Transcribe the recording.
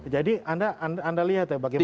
jadi anda lihat ya bagaimana